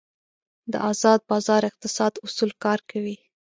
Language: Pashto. د ازاد بازار اقتصاد اصول کار کوي.